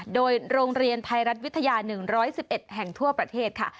โดยโรงเรียนไทยรัฐวิทยา๑๑๑แห่งทั่วประเทศค่ะ